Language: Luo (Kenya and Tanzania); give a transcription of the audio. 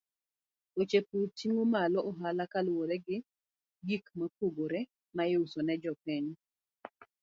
Weche pur ting'o malo ohala kaluwore gi gik mopogore ma iuso ne jopiny.